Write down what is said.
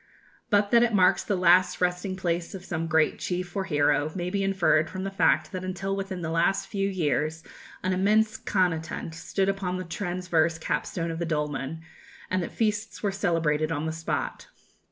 But that it marks the last resting place of some great chief or hero may be inferred from the fact that until within the last few years an immense Kana tent stood upon the transverse capstone of the dolmen, and that feasts were celebrated on the spot.